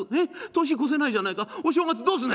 年越せないじゃないか。お正月どうする！？」。